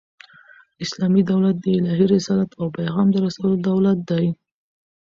اسلامي دولت د الهي رسالت او پیغام د رسولو دولت دئ.